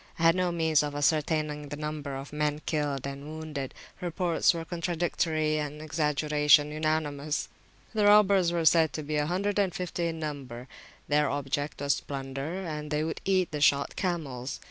I had no means of ascertaining the number of men killed and wounded: reports were contradictory, and exaggeration unanimous. The robbers were said to be a hundred and fifty in number; their object was plunder, and they would eat the shot camels.